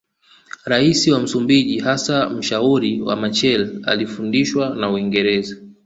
Raia wa Msumbiji hasa mshauri wa Machel alifundishwa na Uingereza